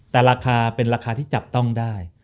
แต่ราคาเป็นราคาที่จับต้องได้